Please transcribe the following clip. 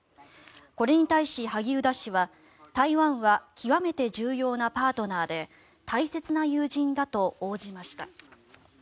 これに対し、萩生田氏は台湾は極めて重要なパートナーで大切な友人だと応じました。